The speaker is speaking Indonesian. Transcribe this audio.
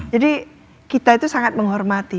jadi kita itu sangat menghormati